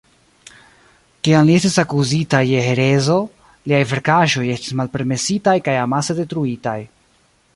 Kiam li estis akuzita je herezo, liaj verkaĵoj estis malpermesitaj kaj amase detruitaj.